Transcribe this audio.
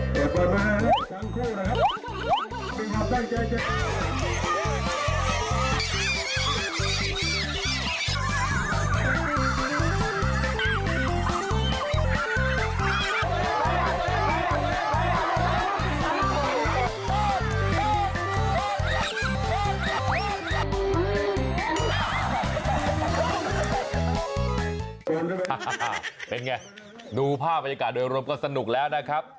เป็นไงดูภาพบรรยากาศโดยรวมก็สนุกแล้วนะครับ